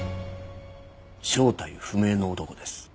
正体不明の男です。